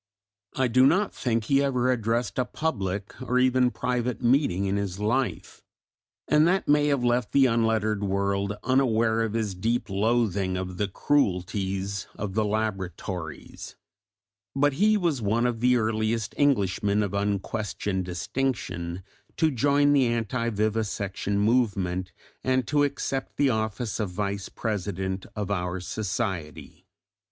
I do not think he ever addressed a public, or even private, meeting in his life, and that may have left the unlettered world unaware of his deep loathing of the cruelties of the laboratories; but he was one of the earliest Englishmen of unquestioned distinction to join the anti vivisection movement and to accept the office of Vice President of our Society.